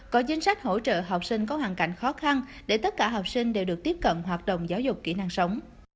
có chính sách hỗ trợ học sinh có hoàn cảnh khó khăn để tất cả học sinh đều được tiếp cận hoạt động giáo dục kỹ năng sống